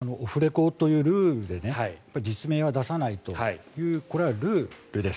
ただ、やっぱりオフレコというルールで実名は出さないというこれはルールです。